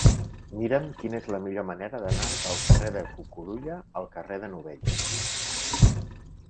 Mira'm quina és la millor manera d'anar del carrer de Cucurulla al carrer de Novell.